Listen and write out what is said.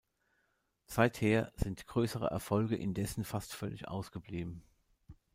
Seither sind größere Erfolg indessen fast völlig ausgeblieben.